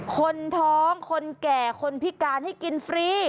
คนท้องคนแก่คนพิการให้กินฟรี